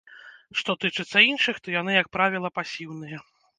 Што тычыцца іншых, то яны, як правіла, пасіўныя.